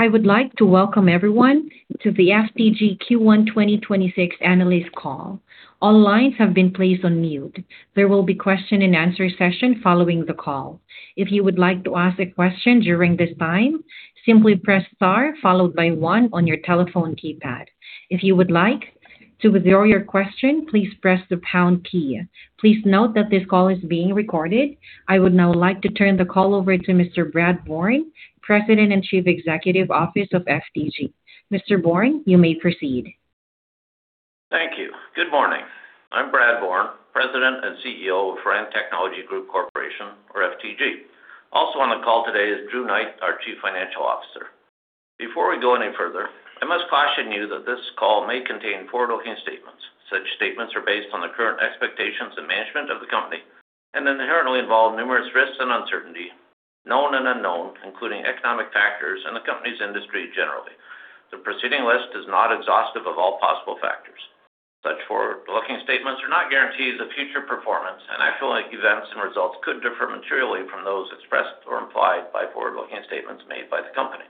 I would like to welcome everyone to the FTG Q1 2026 analyst call. All lines have been placed on mute. There will be question and answer session following the call. If you would like to ask a question during this time, simply press star followed by one on your telephone keypad. If you would like to withdraw your question, please press the pound key. Please note that this call is being recorded. I would now like to turn the call over to Mr. Brad Bourne, President and Chief Executive Officer of FTG. Mr. Bourne, you may proceed. Thank you. Good morning. I'm Brad Bourne, President and CEO of Firan Technology Group Corporation, or FTG. Also on the call today is Drew Knight, our Chief Financial Officer. Before we go any further, I must caution you that this call may contain forward-looking statements. Such statements are based on the current expectations and management of the company and inherently involve numerous risks and uncertainty, known and unknown, including economic factors and the company's industry generally. The preceding list is not exhaustive of all possible factors. Such forward-looking statements are not guarantees of future performance, and actual events and results could differ materially from those expressed or implied by forward-looking statements made by the company.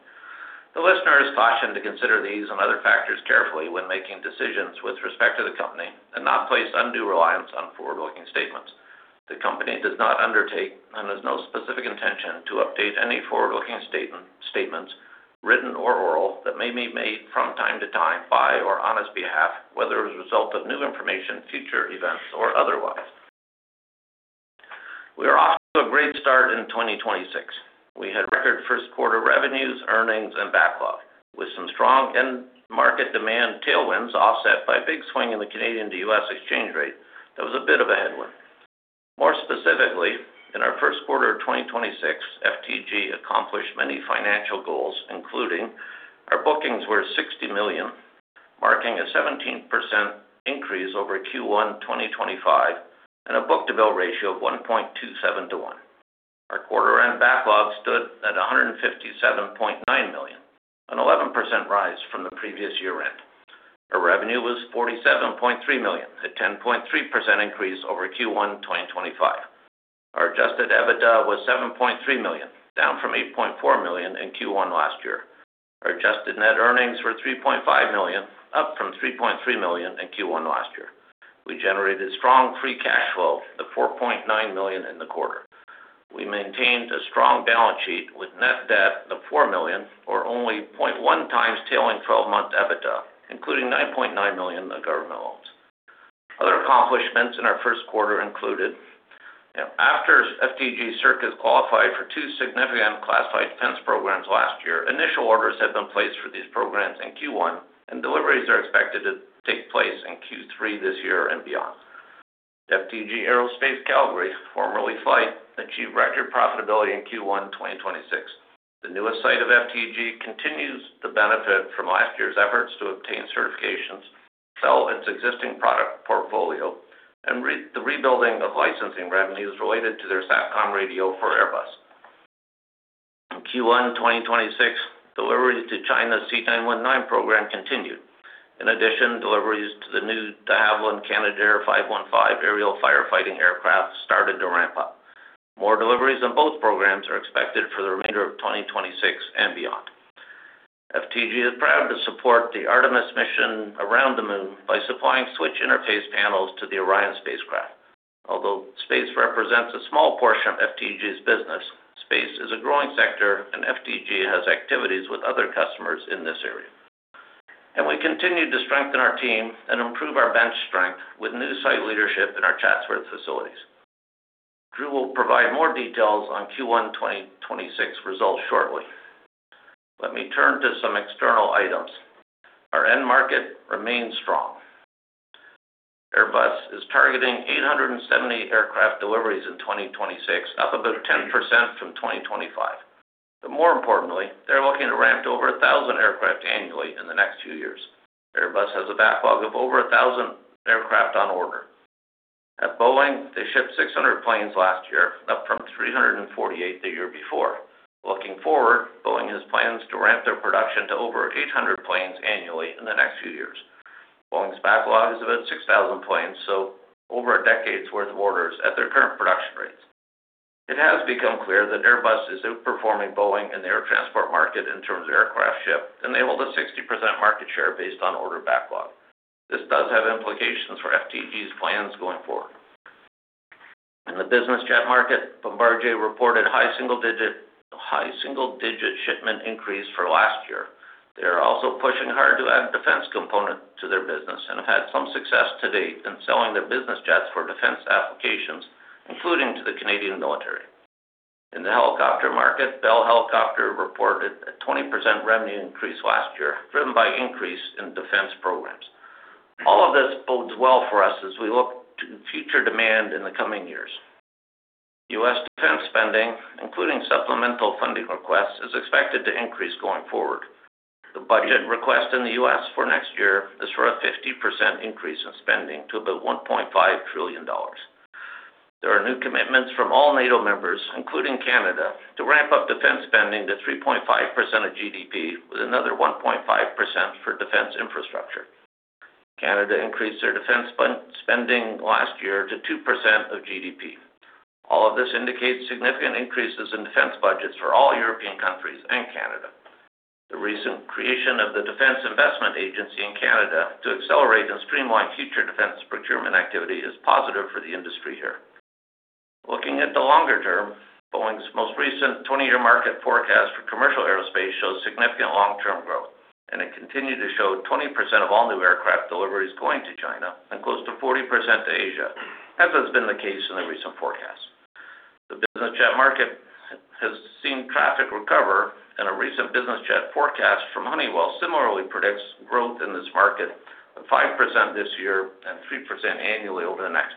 The listener is cautioned to consider these and other factors carefully when making decisions with respect to the company and not place undue reliance on forward-looking statements. The company does not undertake and has no specific intention to update any forward-looking statements, written or oral, that may be made from time to time by or on its behalf, whether as a result of new information, future events, or otherwise. We are off to a great start in 2026. We had record first quarter revenues, earnings, and backlog, with some strong end market demand tailwinds offset by a big swing in the Canadian to U.S. exchange rate. That was a bit of a headwind. More specifically, in our first quarter of 2026, FTG accomplished many financial goals, including our bookings were 60 million, marking a 17% increase over Q1 2025 and a book-to-bill ratio of 1.27:1. Our quarter end backlog stood at 157.9 million, an 11% rise from the previous year end. Our revenue was 47.3 million, a 10.3% increase over Q1 2025. Our adjusted EBITDA was 7.3 million, down from 8.4 million in Q1 last year. Our adjusted net earnings were 3.5 million, up from 3.3 million in Q1 last year. We generated strong free cash flow of 4.9 million in the quarter. We maintained a strong balance sheet with net debt of 4 million, or only 0.1 times trailing 12 months EBITDA, including 9.9 million in government loans. Other accomplishments in our first quarter included after FTG Circuits qualified for two significant classified defense programs last year. Initial orders have been placed for these programs in Q1, and deliveries are expected to take place in Q3 this year and beyond. FTG Aerospace Calgary, formerly FLYHT, achieved record profitability in Q1 2026. The newest site of FTG continues to benefit from last year's efforts to obtain certifications, sell its existing product portfolio, and the rebuilding of licensing revenues related to their SATCOM radio for Airbus. In Q1 2026, deliveries to China's C919 program continued. In addition, deliveries to the new De Havilland Canadair 515 aerial firefighting aircraft started to ramp up. More deliveries on both programs are expected for the remainder of 2026 and beyond. FTG is proud to support the Artemis mission around the moon by supplying switch interface panels to the Orion spacecraft. Although space represents a small portion of FTG's business, space is a growing sector and FTG has activities with other customers in this area. We continue to strengthen our team and improve our bench strength with new site leadership in our Chatsworth facilities. Drew will provide more details on Q1 2026 results shortly. Let me turn to some external items. Our end market remains strong. Airbus is targeting 870 aircraft deliveries in 2026, up about 10% from 2025. More importantly, they're looking to ramp to over 1,000 aircraft annually in the next few years. Airbus has a backlog of over 1,000 aircraft on order. At Boeing, they shipped 600 planes last year, up from 348 the year before. Looking forward, Boeing has plans to ramp their production to over 800 planes annually in the next few years. Boeing's backlog is about 6,000 planes, so over a decade's worth of orders at their current production rates. It has become clear that Airbus is outperforming Boeing in the air transport market in terms of aircraft shipped, and they hold a 60% market share based on order backlog. This does have implications for FTG's plans going forward. In the business jet market, Bombardier reported high single-digit shipment increase for last year. They are also pushing hard to add a defense component to their business and have had some success to date in selling their business jets for defense applications, including to the Canadian military. In the helicopter market, Bell reported a 20% revenue increase last year, driven by increase in defense programs. All of this bodes well for us as we look to future demand in the coming years. U.S. defense spending, including supplemental funding requests, is expected to increase going forward. The budget request in the U.S. for next year is for a 50% increase in spending to about $1.5 trillion. There are new commitments from all NATO members, including Canada, to ramp up defense spending to 3.5% of GDP, with another 1.5% for defense infrastructure. Canada increased their defense spending last year to 2% of GDP. All of this indicates significant increases in defense budgets for all European countries and Canada. The recent creation of the Defence Investment Agency in Canada to accelerate and streamline future defense procurement activity is positive for the industry here. Looking at the longer term, Boeing's most recent 20-year market forecast for commercial Aerospace shows significant long-term growth, and it continued to show 20% of all new aircraft deliveries going to China and close to 40% to Asia, as has been the case in the recent forecast. The business jet market has seen traffic recover, and a recent business jet forecast from Honeywell similarly predicts growth in this market of 5% this year and 3% annually over the next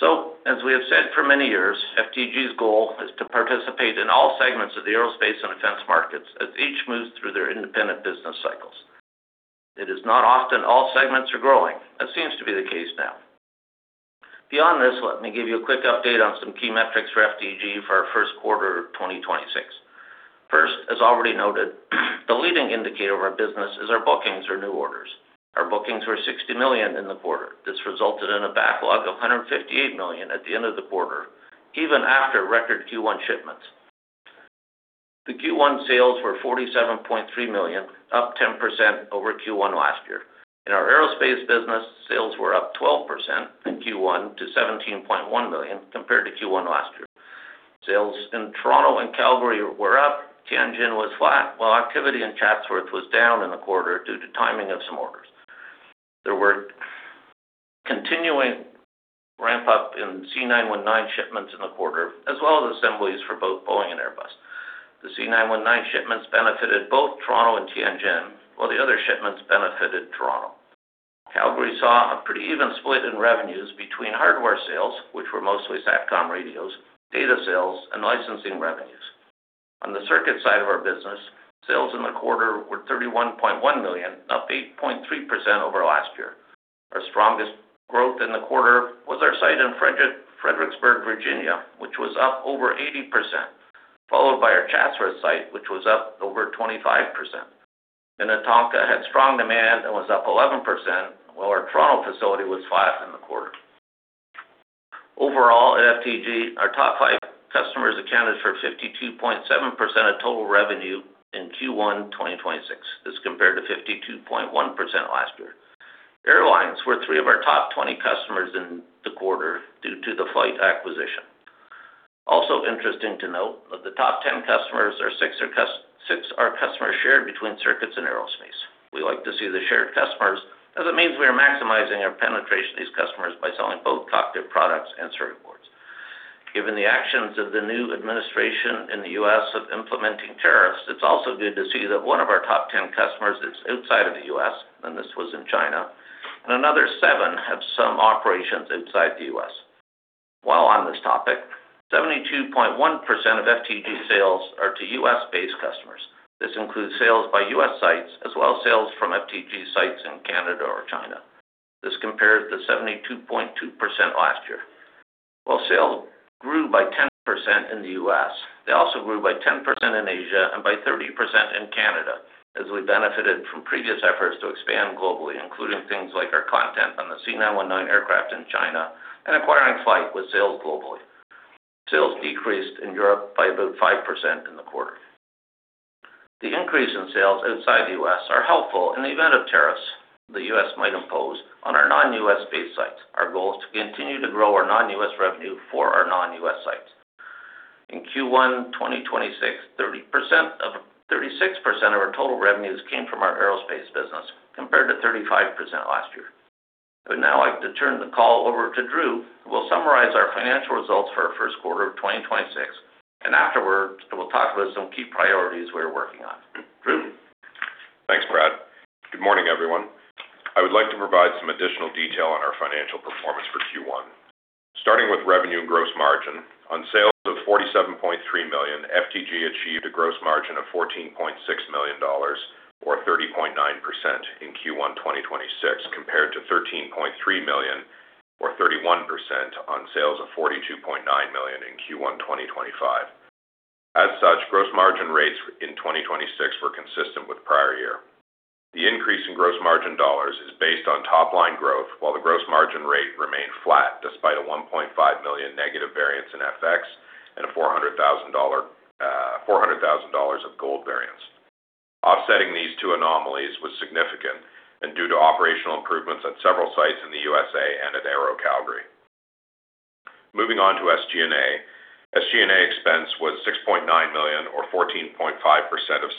decade. As we have said for many years, FTG's goal is to participate in all segments of the Aerospace and defense markets as each moves through their independent business cycles. It is not often all segments are growing. That seems to be the case now. Beyond this, let me give you a quick update on some key metrics for FTG for our first quarter of 2026. First, as already noted, the leading indicator of our business is our bookings or new orders. Our bookings were 60 million in the quarter. This resulted in a backlog of 158 million at the end of the quarter, even after record Q1 shipments. Q1 sales were 47.3 million, up 10% over Q1 last year. In our Aerospace business, sales were up 12% in Q1 to 17.1 million, compared to Q1 last year. Sales in Toronto and Calgary were up. Tianjin was flat, while activity in Chatsworth was down in the quarter due to timing of some orders. There were continuing ramp-up in C919 shipments in the quarter, as well as assemblies for both Boeing and Airbus. The C919 shipments benefited both Toronto and Tianjin, while the other shipments benefited Toronto. Calgary saw a pretty even split in revenues between hardware sales, which were mostly SATCOM radios, data sales, and licensing revenues. On the circuit side of our business, sales in the quarter were 31.1 million, up 8.3% over last year. Our strongest growth in the quarter was our site in Fredericksburg, Virginia, which was up over 80%, followed by our Chatsworth site, which was up over 25%. Minnetonka had strong demand and was up 11%, while our Toronto facility was flat in the quarter. Overall at FTG, our top five customers accounted for 52.7% of total revenue in Q1 2026. This compared to 52.1% last year. Airlines were three of our top 20 customers in the quarter due to the FLYHT acquisition. Also interesting to note that of the top 10 customers, six are customers shared between Circuits and Aerospace. We like to see the shared customers as it means we are maximizing our penetration to these customers by selling both cockpit products and circuit boards. Given the actions of the new administration in the U.S. of implementing tariffs, it's also good to see that one of our top 10 customers is outside of the U.S., and this was in China, and another seven have some operations inside the U.S. While on this topic, 72.1% of FTG sales are to U.S.-based customers. This includes sales by U.S. sites as well as sales from FTG sites in Canada or China. This compares to 72.2% last year. While sales grew by 10% in the U.S., they also grew by 10% in Asia and by 30% in Canada as we benefited from previous efforts to expand globally, including things like our component on the C919 aircraft in China and acquiring FLYHT with sales globally. Sales decreased in Europe by about 5% in the quarter. The increase in sales outside the U.S. are helpful in the event of tariffs the U.S. might impose on our non-U.S.-based sites. Our goal is to continue to grow our non-U.S. revenue for our non-U.S. sites. In Q1 2026, 36% of our total revenues came from our Aerospace business, compared to 35% last year. I would now like to turn the call over to Drew, who will summarize our financial results for our first quarter of 2026, and afterwards, he will talk about some key priorities we're working on. Drew? Thanks, Brad. Good morning, everyone. I would like to provide some additional detail on our financial performance for Q1. Starting with revenue and gross margin. On sales of 47.3 million, FTG achieved a gross margin of 14.6 million dollars or 30.9% in Q1 2026, compared to 13.3 million or 31% on sales of 42.9 million in Q1 2025. As such, gross margin rates in 2026 were consistent with prior year. The increase in gross margin dollars is based on top-line growth, while the gross margin rate remained flat despite a 1.5 million negative variance in FX and a 400,000 dollar of gold variance. Offsetting these two anomalies was significant and due to operational improvements at several sites in the U.S. and at Aero Calgary. Moving on to SG&A. SG&A expense was 6.9 million or 14.5% of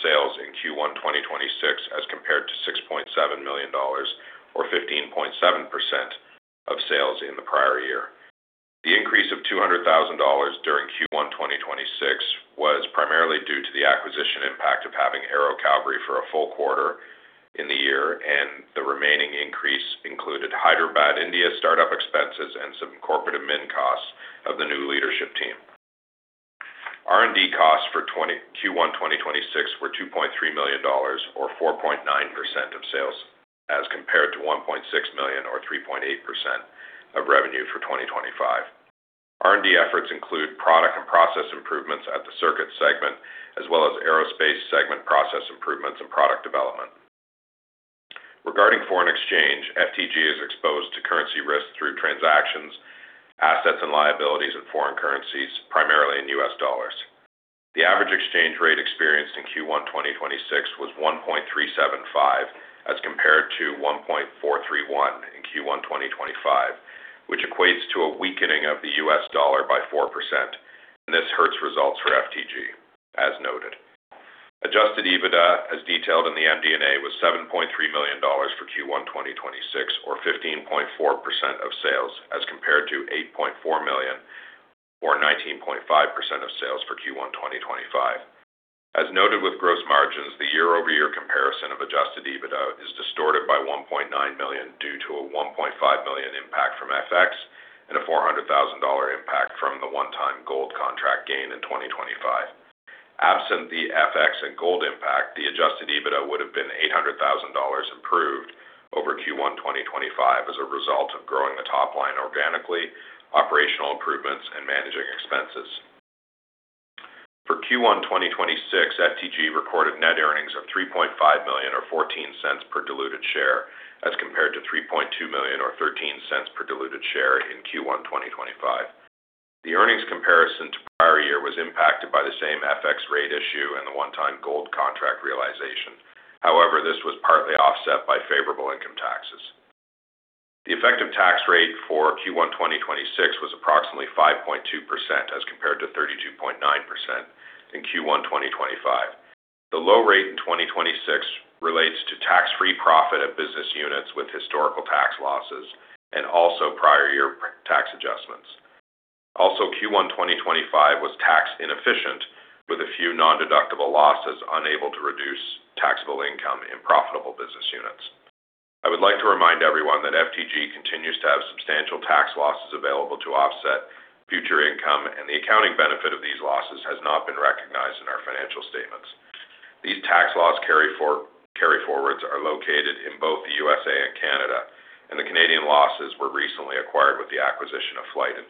sales in Q1 2026, as compared to 6.7 million dollars or 15.7% of sales in the prior year. The increase of 200,000 dollars during Q1 2026 was primarily due to the acquisition impact of having Aero Calgary for a full quarter in the year, and the remaining increase included Hyderabad, India startup expenses and some corporate admin costs of the new leadership team. R&D costs for Q1 2026 were 2.3 million dollars or 4.9% of sales as compared to 1.6 million or 3.8% of revenue for 2025. R&D efforts include product and process improvements at the Circuits segment, as well as Aerospace segment process improvements and product development. Regarding foreign exchange, FTG is exposed to currency risk through transactions, assets and liabilities in foreign currencies, primarily in U.S. dollars. The average exchange rate experienced in Q1 2026 was 1.375, as compared to 1.431 in Q1 2025, which equates to a weakening of the U.S. dollar by 4%, and this hurts results for FTG, as noted. Adjusted EBITDA, as detailed in the MD&A, was 7.3 million dollars for Q1 2026 or 15.4% of sales, as compared to 8.4 million or 19.5% of sales for Q1 2025. As noted with gross margins, the year-over-year comparison of adjusted EBITDA is distorted by 1.9 million due to a 1.5 million impact from FX and a 400,000 dollar impact from the one-time gold contract gain in 2025. Absent the FX and gold impact, the adjusted EBITDA would have been 800,000 dollars improved over Q1 2025 as a result of growing the top line organically, operational improvements, and managing expenses. For Q1 2026, FTG recorded net earnings of 3.5 million or 0.14 per diluted share, as compared to 3.2 million or 0.13 per diluted share in Q1 2025. The earnings comparison to prior year was impacted by the same FX rate issue and the one-time gold contract realization. However, this was partly offset by favorable income taxes. The effective tax rate for Q1 2026 was approximately 5.2% as compared to 32.9% in Q1 2025. The low rate in 2026 relates to tax-free profit of business units with historical tax losses and also prior year tax adjustments. Also, Q1 2025 was tax inefficient, with a few nondeductible losses unable to reduce taxable income in profitable business units. I would like to remind everyone that FTG continues to have substantial tax losses available to offset future income, and the accounting benefit of these losses has not been recognized in our financial statements. These tax loss carryforwards are located in both the USA and Canada, and the Canadian losses were recently acquired with the acquisition of FLYHT in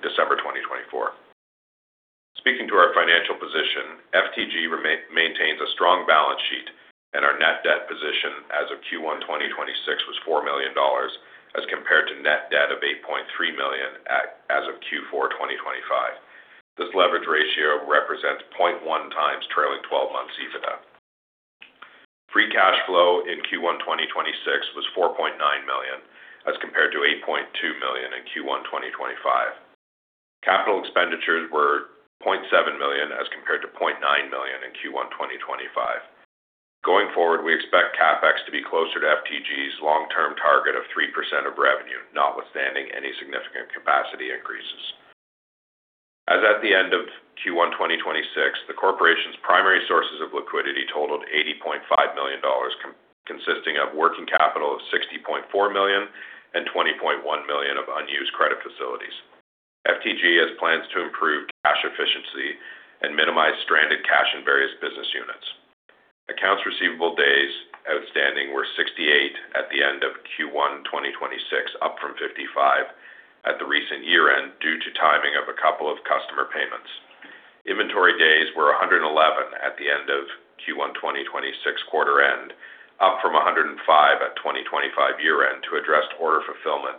December 2024. Speaking to our financial position, FTG maintains a strong balance sheet and our net debt position as of Q1 2026 was 4 million dollars as compared to net debt of 8.3 million as of Q4 2025. This leverage ratio represents 0.1x trailing 12 months EBITDA. Free cash flow in Q1 2026 was 4.9 million as compared to 8.2 million in Q1 2025. Capital expenditures were 0.7 million as compared to 0.9 million in Q1 2025. Going forward, we expect CapEx to be closer to FTG's long-term target of 3% of revenue, notwithstanding any significant capacity increases. As at the end of Q1 2026, the corporation's primary sources of liquidity totaled 80.5 million dollars, consisting of working capital of 60.4 million and 20.1 million of unused credit facilities. FTG has plans to improve cash efficiency and minimize stranded cash in various business units. Accounts receivable days outstanding were 68 at the end of Q1 2026, up from 55 at the recent year-end due to timing of a couple of customer payments. Inventory days were 111 at the end of Q1 2026 quarter end, up from 105 at 2025 year-end to address order fulfillment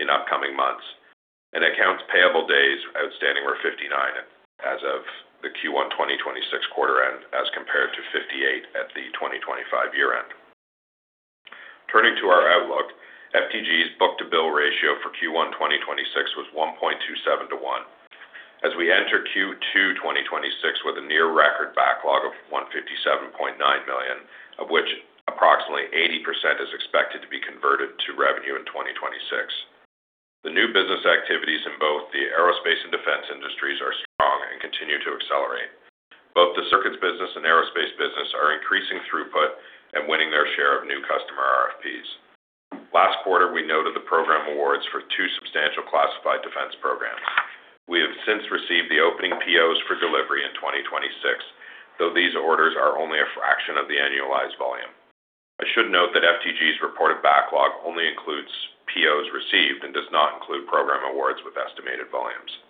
in upcoming months. Accounts payable days outstanding were 59 as of the Q1 2026 quarter end as compared to 58 at the 2025 year-end. Turning to our outlook, FTG's book-to-bill ratio for Q1 2026 was 1.27:1. As we enter Q2 2026 with a near record backlog of 157.9 million, of which approximately 80% is expected to be converted to revenue in 2026. The new business activities in both the Aerospace and defense industries are strong and continue to accelerate. Both the Circuits business and Aerospace business are increasing throughput and winning their share of new customer RFPs. Last quarter, we noted the program awards for two substantial classified defense programs. We have since received the opening POs for delivery in 2026, though these orders are only a fraction of the annualized volume. I should note that FTG's reported backlog only includes POs received and does not include program awards with estimated volumes.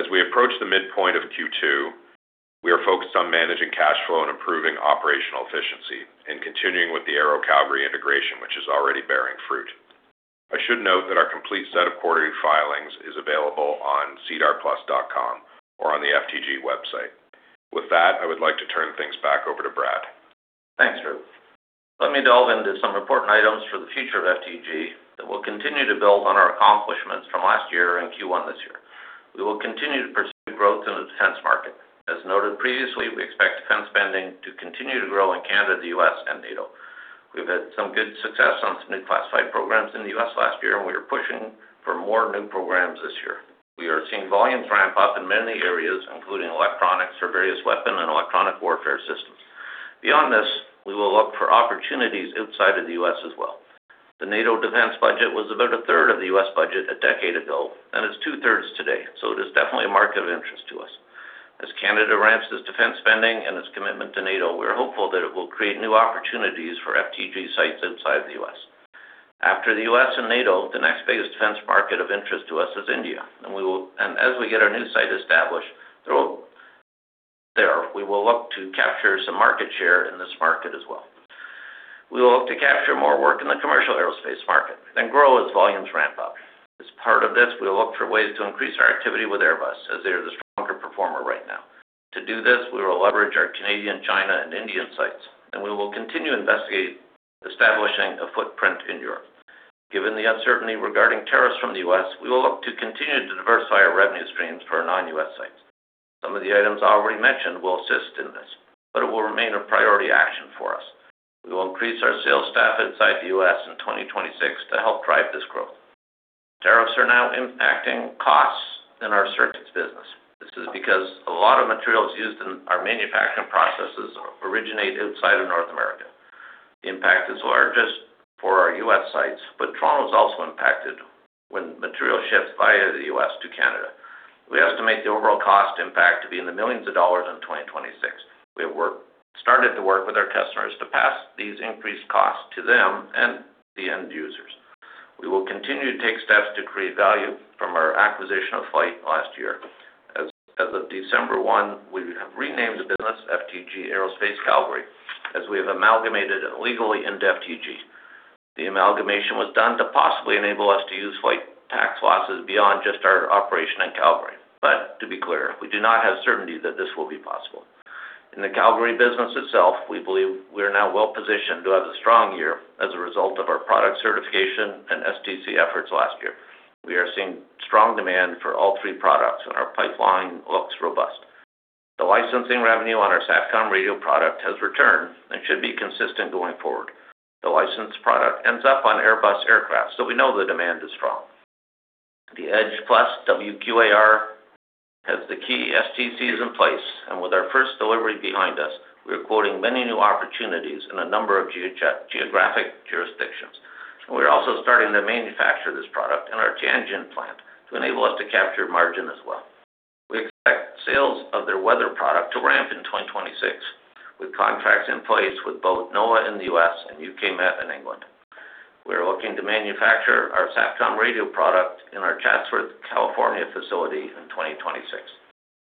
As we approach the midpoint of Q2, we are focused on managing cash flow and improving operational efficiency and continuing with the Aero Calgary integration, which is already bearing fruit. I should note that our complete set of quarterly filings is available on sedarplus.com or on the FTG website. With that, I would like to turn things back over to Brad. Thanks, Drew. Let me delve into some important items for the future of FTG that will continue to build on our accomplishments from last year and Q1 this year. We will continue to pursue growth in the defense market. As noted previously, we expect defense spending to continue to grow in Canada, the U.S., and NATO. We've had some good success on some new classified programs in the U.S. last year, and we are pushing for more new programs this year. We are seeing volumes ramp up in many areas, including electronics for various weapon and electronic warfare systems. Beyond this, we will look for opportunities outside of the U.S. as well. The NATO defense budget was about one-third of the U.S. budget a decade ago, and it's two-thirds today, so it is definitely a market of interest to us. As Canada ramps its defense spending and its commitment to NATO, we're hopeful that it will create new opportunities for FTG sites inside the U.S. After the U.S. and NATO, the next biggest defense market of interest to us is India, and as we get our new site established through there, we will look to capture some market share in this market as well. We will look to capture more work in the commercial Aerospace market, then grow as volumes ramp up. As part of this, we'll look for ways to increase our activity with Airbus, as they are the stronger performer right now. To do this, we will leverage our Canadian, China, and Indian sites, and we will continue investigating establishing a footprint in Europe. Given the uncertainty regarding tariffs from the U.S., we will look to continue to diversify our revenue streams for our non-U.S. sites. Some of the items already mentioned will assist in this, but it will remain a priority action for us. We will increase our sales staff inside the U.S. in 2026 to help drive this growth. Tariffs are now impacting costs in our Circuits business. This is because a lot of materials used in our manufacturing processes originate outside of North America. The impact is largest for our U.S. sites, but Toronto is also impacted when material ships via the U.S. to Canada. We estimate the overall cost impact to be in the millions of dollars in 2026. We have started to work with our customers to pass these increased costs to them and to the end users. We will continue to take steps to create value from our acquisition of FLYHT last year. As of December 1, we have renamed the business FTG Aerospace Calgary, as we have amalgamated it legally into FTG. The amalgamation was done to possibly enable us to use FLYHT tax losses beyond just our operation in Calgary. To be clear, we do not have certainty that this will be possible. In the Calgary business itself, we believe we are now well positioned to have a strong year as a result of our product certification and STC efforts last year. We are seeing strong demand for all three products, and our pipeline looks robust. The licensing revenue on our SATCOM radio product has returned and should be consistent going forward. The licensed product ends up on Airbus aircraft, so we know the demand is strong. The Edge+ WQAR has the key STCs in place, and with our first delivery behind us, we're quoting many new opportunities in a number of geographic jurisdictions, and we're also starting to manufacture this product in our Tianjin plant to enable us to capture margin as well. We expect sales of their weather product to ramp in 2026, with contracts in place with both NOAA in the U.S. and U.K. Met in England. We're looking to manufacture our SATCOM radio product in our Chatsworth, California, facility in 2026.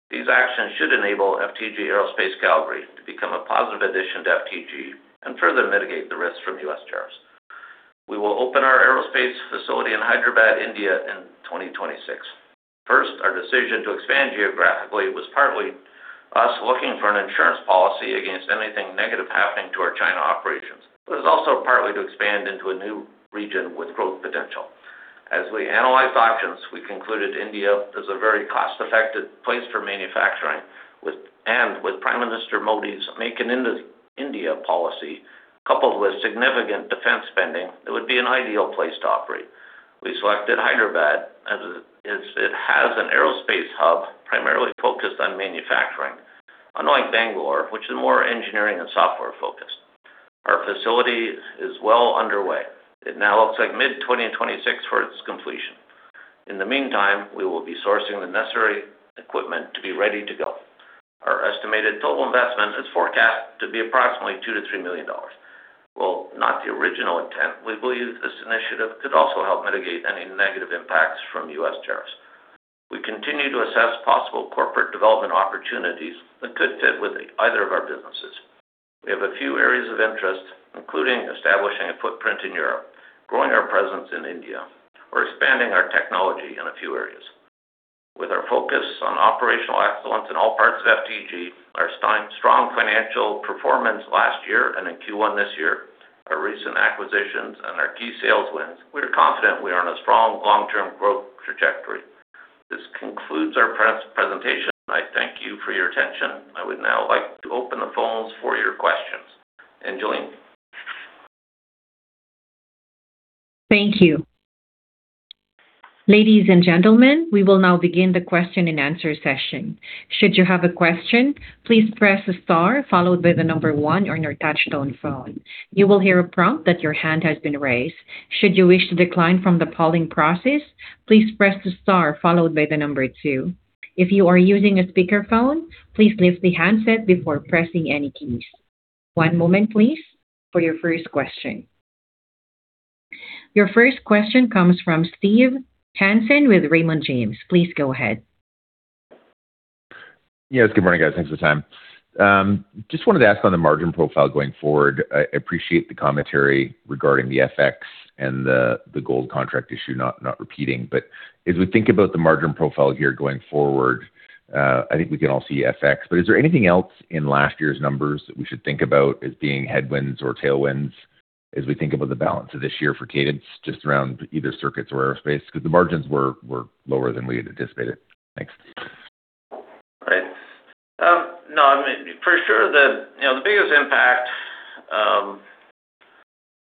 These actions should enable FTG Aerospace Calgary to become a positive addition to FTG and further mitigate the risks from U.S. tariffs. We will open our Aerospace facility in Hyderabad, India, in 2026. First, our decision to expand geographically was partly us looking for an insurance policy against anything negative happening to our China operations. It was also partly to expand into a new region with growth potential. As we analyzed options, we concluded India is a very cost-effective place for manufacturing, and with Prime Minister Modi's Make in India policy, coupled with significant defense spending, it would be an ideal place to operate. We selected Hyderabad as it has an Aerospace hub primarily focused on manufacturing, unlike Bangalore, which is more engineering and software-focused. Our facility is well underway. It now looks like mid-2026 for its completion. In the meantime, we will be sourcing the necessary equipment to be ready to go. Our estimated total investment is forecast to be approximately $2 million-$3 million. While not the original intent, we believe this initiative could also help mitigate any negative impacts from U.S. tariffs. We continue to assess possible corporate development opportunities that could fit with either of our businesses. We have a few areas of interest, including establishing a footprint in Europe, growing our presence in India, or expanding our technology in a few areas. With our focus on operational excellence in all parts of FTG, our strong financial performance last year and in Q1 this year, our recent acquisitions, and our key sales wins, we are confident we are on a strong long-term growth trajectory. This concludes our presentation. I thank you for your attention. I would now like to open the phones for your questions. Julian. Thank you. Ladies and gentlemen, we will now begin the question-and-answer session. Should you have a question, please press star followed by the number one on your touch-tone phone. You will hear a prompt that your hand has been raised. Should you wish to decline from the polling process, please press the star followed by the number two. If you are using a speakerphone, please lift the handset before pressing any keys. One moment, please, for your first question. Your first question comes from Steve Hansen with Raymond James. Please go ahead. Yes, good morning, guys. Thanks for the time. Just wanted to ask on the margin profile going forward. I appreciate the commentary regarding the FX and the gold contract issue not repeating. But as we think about the margin profile here going forward, I think we can all see FX. But is there anything else in last year's numbers that we should think about as being headwinds or tailwinds as we think about the balance of this year for cadence? Just around either Circuits or Aerospace, 'cause the margins were lower than we had anticipated. Thanks. Right. No, I mean, for sure, the biggest impact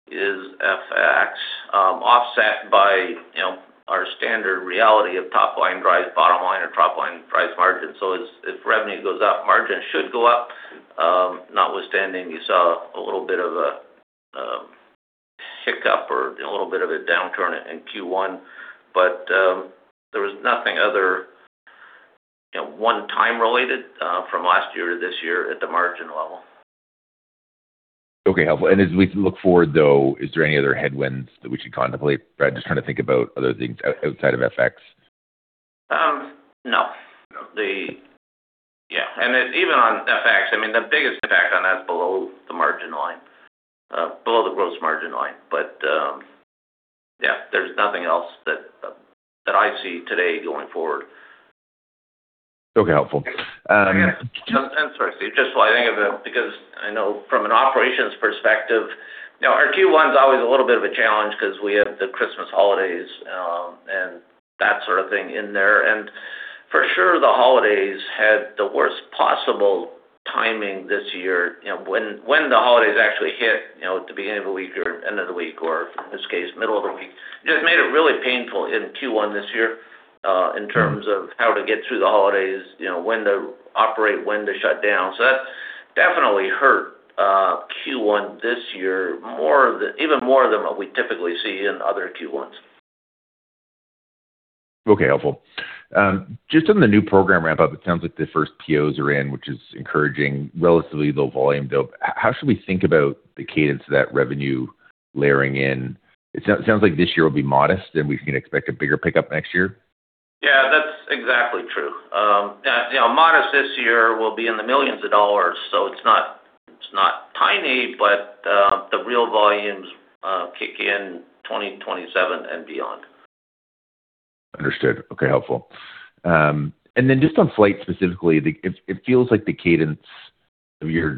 is FX, offset by our standard reality of top line drives bottom line or top line drives margin. As revenue goes up, margin should go up, notwithstanding you saw a little bit of a downturn in Q1, but there was nothing other than one-time related from last year to this year at the margin level. Okay, helpful. As we look forward, though, is there any other headwinds that we should contemplate? I'm just trying to think about other things outside of FX. No. Yeah. Even on FX, the biggest impact on that is below the margin line, below the gross margin line. Yeah, there's nothing else that I see today going forward. Okay, helpful. Sorry, Steve, just while I think of it, because I know from an operations perspective, our Q1 is always a little bit of a challenge because we have the Christmas holidays, and that sort of thing in there. For sure, the holidays had the worst possible timing this year. When the holidays actually hit, at the beginning of the week or end of the week or in this case, middle of the week, it just made it really painful in Q1 this year, in terms of how to get through the holidays, when to operate, when to shut down. That definitely hurt Q1 this year even more than what we typically see in other Q1s. Okay. Helpful. Just on the new program ramp up, it sounds like the first POs are in, which is encouraging relatively low volume build. How should we think about the cadence of that revenue layering in? It sounds like this year will be modest, and we can expect a bigger pickup next year? Yeah, that's exactly true. Modest this year will be in the millions of dollars. It's not tiny, but the real volumes kick in 2027 and beyond. Understood. Okay, helpful. Just on FLYHT specifically, it feels like the cadence of your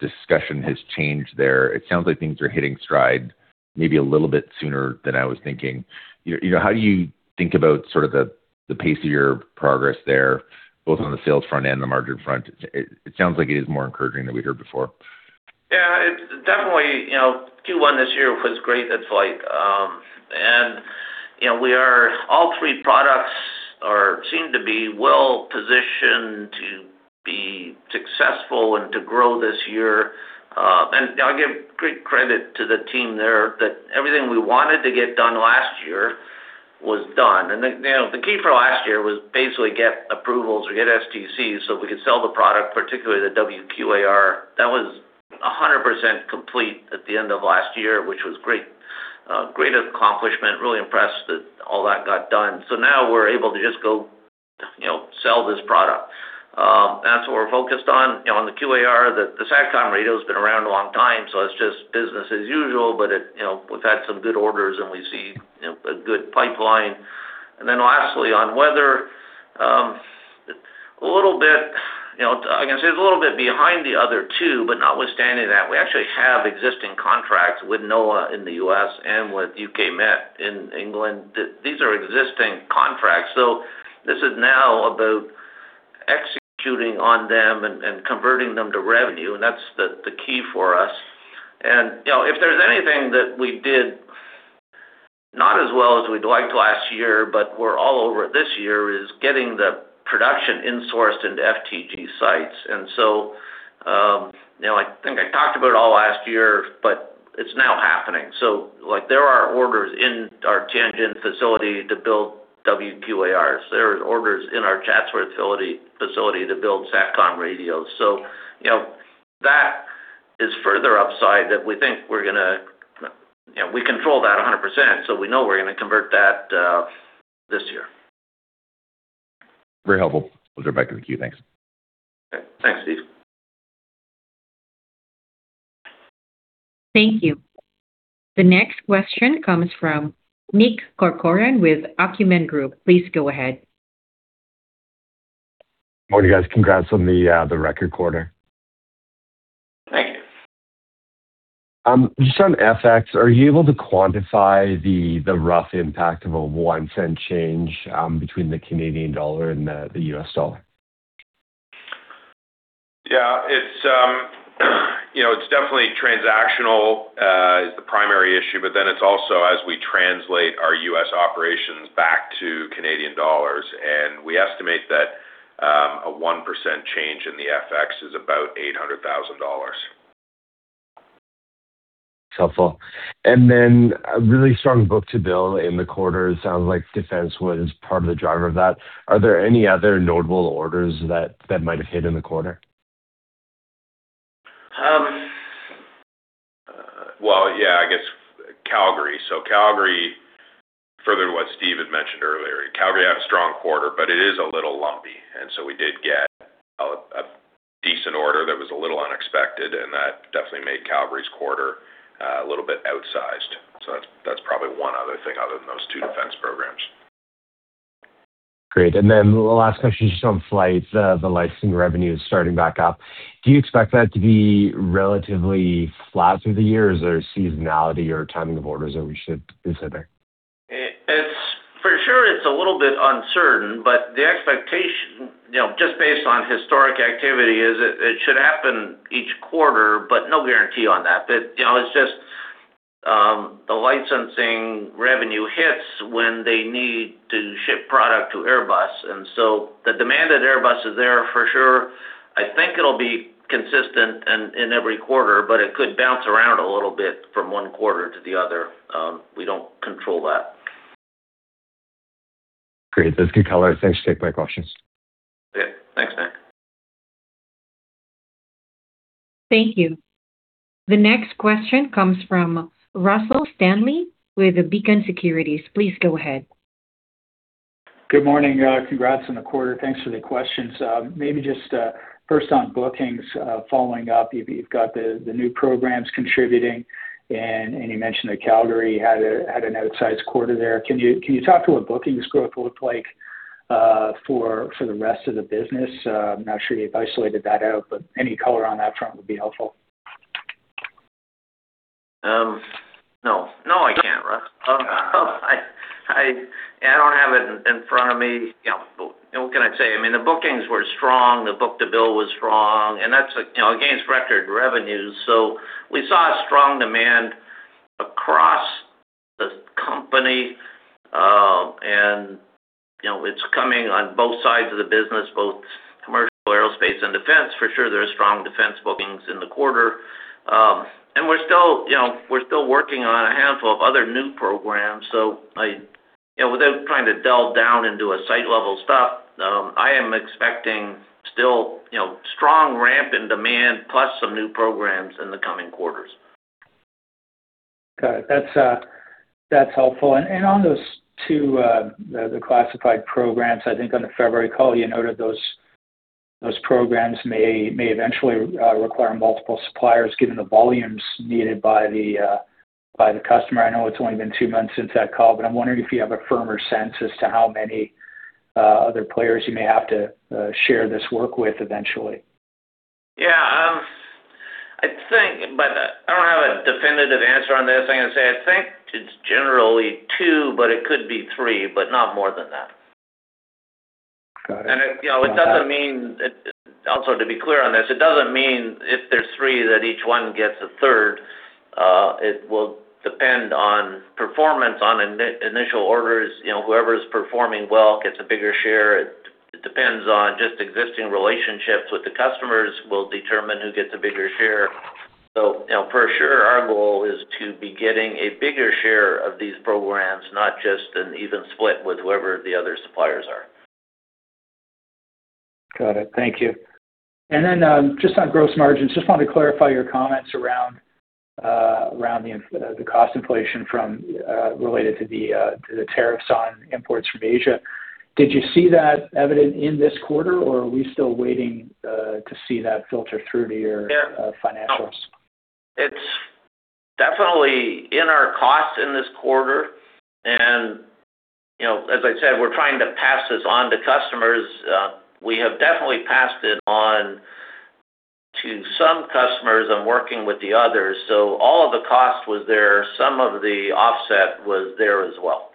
discussion has changed there. It sounds like things are hitting stride maybe a little bit sooner than I was thinking. How do you think about the pace of your progress there, both on the sales front and the margin front? It sounds like it is more encouraging than we heard before. Yeah, it's definitely Q1 this year was great at FLYHT. All three products seem to be well positioned to be successful and to grow this year. I'll give great credit to the team there that everything we wanted to get done last year was done. The key for last year was basically get approvals or get STCs so we could sell the product, particularly the WQAR. That was 100% complete at the end of last year, which was great. A great accomplishment. Really impressed that all that got done. Now we're able to just go sell this product. That's what we're focused on. On the QAR, the SATCOM radio has been around a long time, so it's just business as usual, but we've had some good orders, and we see a good pipeline. Then lastly, on weather, I can say it's a little bit behind the other two, but notwithstanding that, we actually have existing contracts with NOAA in the U.S. and with U.K. Met Office in England. These are existing contracts. This is now about executing on them and converting them to revenue, and that's the key for us. If there's anything that we did not as well as we'd liked last year, but we're all over it this year, is getting the production insourced into FTG sites. I think I talked about it all last year, but it's now happening. There are orders in our Tianjin facility to build WQARs. There are orders in our Chatsworth facility to build SATCOM radios. That is further upside that we think we're going to. We control that 100%, so we know we're going to convert that this year. Very helpful. We'll jump back to the queue. Thanks. Thanks, Steve. Thank you. The next question comes from Nick Corcoran with Acumen Group. Please go ahead. Morning, guys. Congrats on the record quarter. Thanks. Just on FX, are you able to quantify the rough impact of a 0.01 Change between the Canadian dollar and the U.S. dollar? Yeah, it's definitely transactional is the primary issue, but then it's also as we translate our U.S. operations back to Canadian dollars, and we estimate that a 1% change in the FX is about 800,000 dollars. That's helpful. A really strong book-to-bill in the quarter, it sounds like defense was part of the driver of that. Are there any other notable orders that might have hit in the quarter? Well, yeah, I guess Calgary. Calgary, further to what Steve had mentioned earlier, Calgary had a strong quarter, but it is a little lumpy. We did get a decent order that was a little unexpected, and that definitely made Calgary's quarter a little bit outsized. That's probably one other thing other than those two defense programs. Great. The last question is just on FLYHT. The licensing revenue is starting back up. Do you expect that to be relatively flat through the year, or is there a seasonality or timing of orders that we should consider? For sure it's a little bit uncertain, but the expectation, just based on historic activity, is it should happen each quarter, but no guarantee on that. It's just the licensing revenue hits when they need to ship product to Airbus. The demand at Airbus is there for sure. I think it'll be consistent in every quarter, but it could bounce around a little bit from one quarter to the other. We don't control that. Great. That's good color. Thanks. Take my questions. Okay. Thanks, man. Thank you. The next question comes from Russell Stanley with Beacon Securities. Please go ahead. Good morning. Congrats on the quarter. Thanks for the questions. Maybe just first on bookings, following up, you've got the new programs contributing, and you mentioned that Calgary had an outsized quarter there. Can you talk to what bookings growth looked like for the rest of the business? I'm not sure you've isolated that out, but any color on that front would be helpful. No, I can't, Russ. I don't have it in front of me. What can I say? I mean, the bookings were strong. The book-to-bill was strong. That's against record revenues. We saw a strong demand across the company, and it's coming on both sides of the business, both commercial Aerospace and Defense. For sure, there are strong defense bookings in the quarter. We're still working on a handful of other new programs. Without trying to delve down into a site-level stuff, I am expecting still strong ramp in demand plus some new programs in the coming quarters. Got it. That's helpful. On those two, the classified programs, I think on the February call, you noted those programs may eventually require multiple suppliers, given the volumes needed by the customer. I know it's only been two months since that call, but I'm wondering if you have a firmer sense as to how many other players you may have to share this work with eventually? Yeah. I don't have a definitive answer on this. I'm going to say, I think it's generally two, but it could be three, but not more than that. Got it. Also, to be clear on this, it doesn't mean if there's three that each one gets a third. It will depend on performance on initial orders. Whoever's performing well gets a bigger share. It depends on just existing relationships with the customers, will determine who gets a bigger share. For sure, our goal is to be getting a bigger share of these programs, not just an even split with whoever the other suppliers are. Got it. Thank you. Just on gross margins, just wanted to clarify your comments around the cost inflation related to the tariffs on imports from Asia. Did you see that evident in this quarter, or are we still waiting to see that filter through to your- Yeah. Financials? No. It's definitely in our cost in this quarter, and as I said, we're trying to pass this on to customers. We have definitely passed it on to some customers and working with the others. All of the cost was there. Some of the offset was there as well.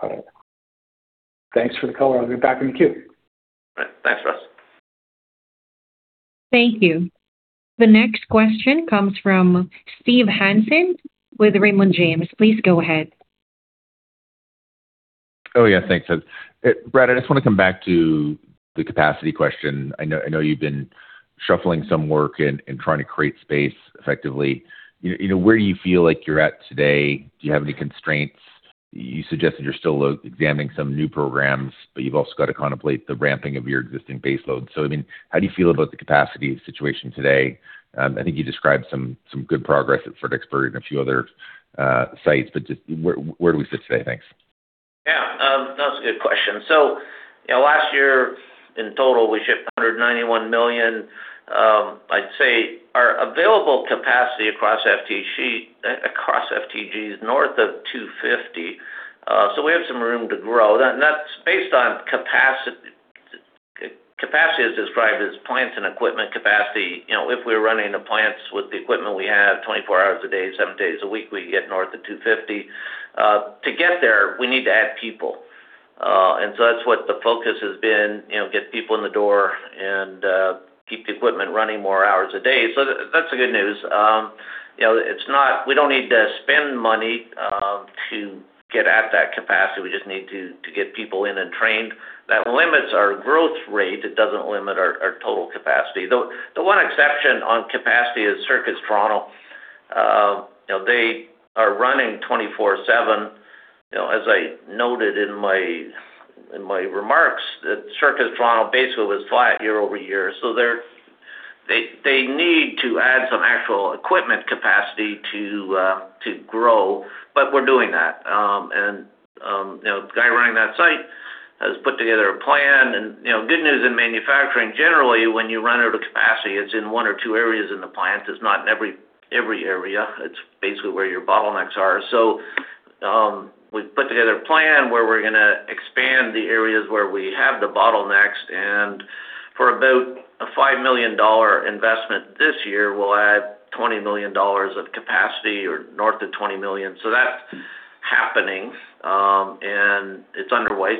Got it. Thanks for the color. I'll be back in the queue. All right. Thanks, Russ. Thank you. The next question comes from Steve Hansen with Raymond James. Please go ahead. Oh, yeah. Thanks. Brad, I just want to come back to the capacity question. I know you've been shuffling some work and trying to create space effectively. Where do you feel like you're at today? Do you have any constraints? You suggested you're still examining some new programs, but you've also got to contemplate the ramping of your existing baseload. I mean, how do you feel about the capacity situation today? I think you described some good progress at Fredericksburg and a few other sites, but just where do we sit today? Thanks. Yeah. That's a good question. Last year in total, we shipped 191 million. I'd say our available capacity across FTG is north of 250. We have some room to grow. Capacity is described as plants and equipment capacity. If we're running the plants with the equipment we have 24 hours a day, seven days a week, we get north of 250. To get there, we need to add people. That's what the focus has been, get people in the door and keep the equipment running more hours a day. That's the good news. We don't need to spend money to get at that capacity. We just need to get people in and trained. That limits our growth rate. It doesn't limit our total capacity. The one exception on capacity is Circuits Toronto. They are running 24/7. As I noted in my remarks, Circuits Toronto basically was flat year-over-year. They need to add some actual equipment capacity to grow, but we're doing that. The guy running that site has put together a plan. Good news in manufacturing, generally, when you run out of capacity, it's in one or two areas in the plant. It's not in every area. It's basically where your bottlenecks are. We've put together a plan where we're going to expand the areas where we have the bottlenecks, and for about a 5 million dollar investment this year, we'll add 20 million dollars of capacity or north of 20 million. That's happening, and it's underway.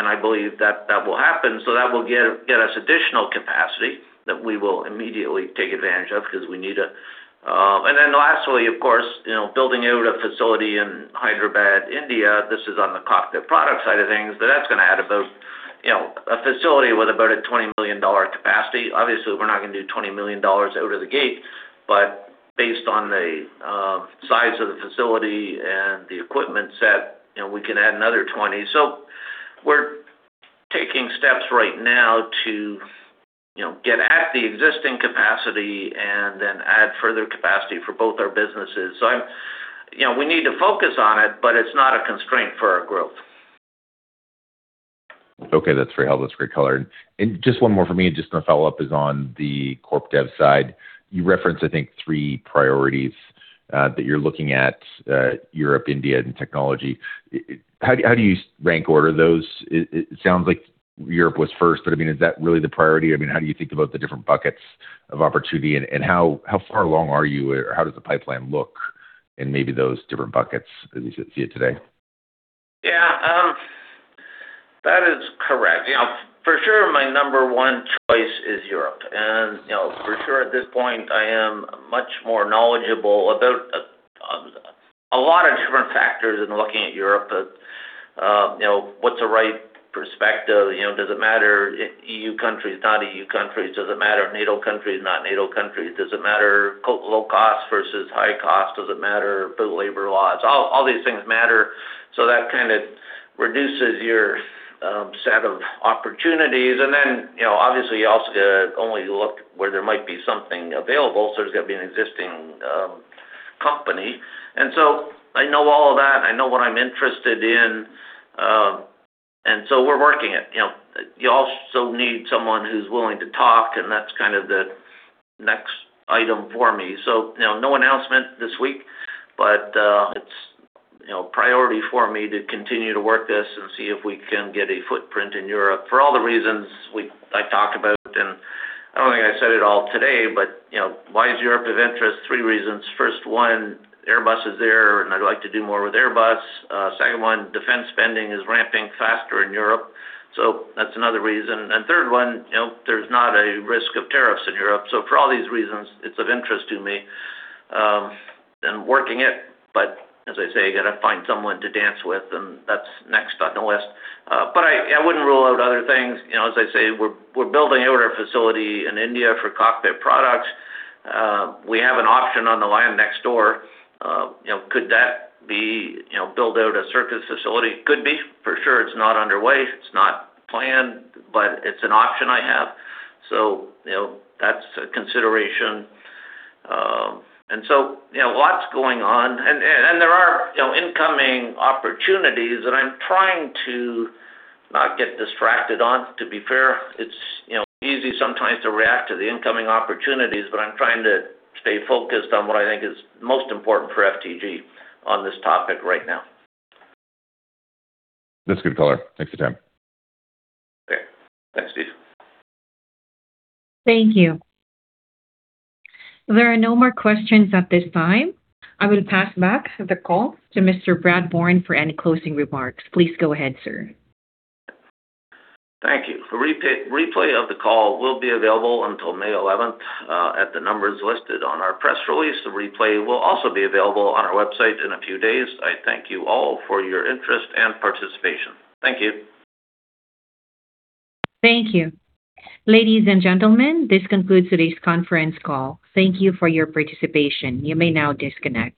I believe that will happen. That will get us additional capacity. We will immediately take advantage of because we need to. Then lastly, of course, we're building out a facility in Hyderabad, India. This is on the cockpit product side of things, but that's going to add about a facility with about a 20 million dollar capacity. Obviously, we're not going to do 20 million dollars out of the gate, but based on the size of the facility and the equipment set, we can add another 20 million. We're taking steps right now to get to the existing capacity and then add further capacity for both our businesses. We need to focus on it, but it's not a constraint for our growth. Okay, that's very helpful. That's great color. Just one more from me, and just a follow-up is on the corp dev side. You referenced, I think, three priorities that you're looking at, Europe, India, and technology. How do you rank order those? It sounds like Europe was first, but is that really the priority? How do you think about the different buckets of opportunity, and how far along are you, or how does the pipeline look in maybe those different buckets as you see it today? Yeah. That is correct. For sure my number one choice is Europe. For sure at this point, I am much more knowledgeable about a lot of different factors in looking at Europe. What's the right perspective? Does it matter EU countries, not EU countries? Does it matter NATO countries, not NATO countries? Does it matter low cost versus high cost? Does it matter the labor laws? All these things matter, so that kind of reduces your set of opportunities. Then, obviously, you also only look where there might be something available, so there's got to be an existing company. I know all of that. I know what I'm interested in. We're working it. You also need someone who's willing to talk, and that's kind of the next item for me. No announcement this week, but it's priority for me to continue to work this and see if we can get a footprint in Europe for all the reasons I've talked about, and I don't think I said it all today, but why is Europe of interest? Three reasons. First one, Airbus is there, and I'd like to do more with Airbus. Second one, defense spending is ramping faster in Europe, so that's another reason. Third one, there's not a risk of tariffs in Europe. For all these reasons, it's of interest to me, and working it. As I say, you got to find someone to dance with, and that's next on the list. I wouldn't rule out other things. As I say, we're building out our facility in India for cockpit products. We have an option on the land next door. Could that build out a surface facility? Could be. For sure it's not underway, it's not planned, but it's an option I have. That's a consideration. Lots going on. There are incoming opportunities, and I'm trying to not get distracted on, to be fair. It's easy sometimes to react to the incoming opportunities, but I'm trying to stay focused on what I think is most important for FTG on this topic right now. That's good color. Thanks for time. Okay. Thanks, Steve. Thank you. There are no more questions at this time. I will pass back the call to Mr. Brad Bourne for any closing remarks. Please go ahead, sir. Thank you. A replay of the call will be available until May 11th at the numbers listed on our press release. The replay will also be available on our website in a few days. I thank you all for your interest and participation. Thank you. Thank you. Ladies and gentlemen, this concludes today's conference call. Thank you for your participation. You may now disconnect.